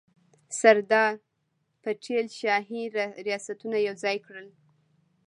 سردار پټیل شاهي ریاستونه یوځای کړل.